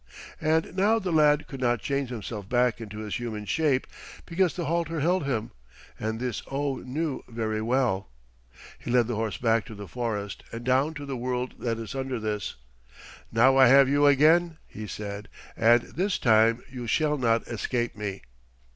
And now the lad could not change himself back into his human shape, because the halter held him, and this Oh knew very well. He led the horse back to the forest and down to the world that is under this. "Now I have you again," he said, "and this time you shall not escape me."